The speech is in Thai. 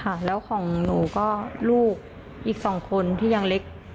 ค่ะแล้วของหนูก็ลูกอีกสองคนที่ยังเล็ก